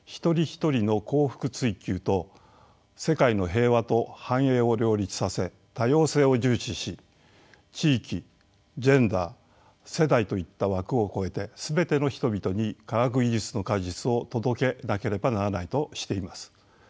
人一人の幸福追求と世界の平和と繁栄を両立させ多様性を重視し地域ジェンダー世代といった枠を超えて全ての人々に科学技術の果実を届けなければならないとしています。